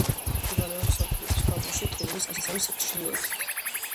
მდებარეობს ოკრიბის ქვაბულში, ტყიბულის წყალსაცავის ჩრდილოეთით.